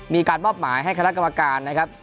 มีการมอบหมายให้คณะกรรมการนะครับ